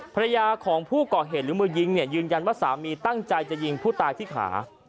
ภรรยาของผู้ก่อเหตุหรือมือยิงเนี่ยยืนยันว่าสามีตั้งใจจะยิงผู้ตายที่ขา